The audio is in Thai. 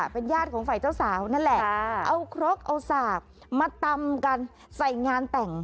เป็นญาติของฝ่ายเจ้าสาวนั่นแหละเอาครกเอาสากมาตำกันใส่งานแต่ง